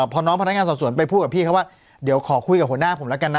พอน้องพนักงานสอบสวนไปพูดกับพี่เขาว่าเดี๋ยวขอคุยกับหัวหน้าผมแล้วกันนะ